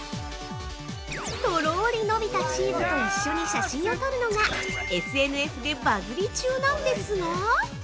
とろーり伸びたチーズと一緒に写真を撮るのがＳＮＳでバズり中なんですが！